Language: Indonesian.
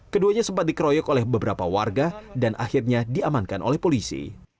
keduanya sempat dikeroyok oleh beberapa warga dan akhirnya diamankan oleh polisi